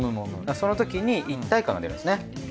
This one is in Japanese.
そのときに一体感が出るんですね。